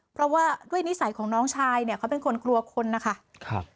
เพราะว่าด้วยนิสัยของน้องชายเนี่ยเขาเป็นคนกลัวคนนะคะครับ